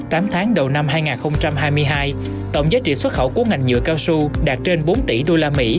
tám tháng đầu năm hai nghìn hai mươi hai tổng giá trị xuất khẩu của ngành nhựa cao su đạt trên bốn tỷ usd